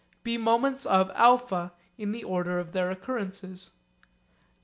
be moments of α in the order of their occurrences.